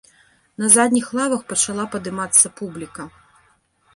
На задніх лавах пачала падымацца публіка.